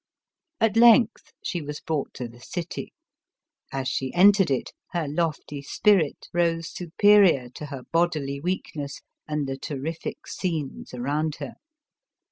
At length, she was brought to the city. As she entered it, her lofty spirit rose superior to her bodily weakness and the terrific scenes around her.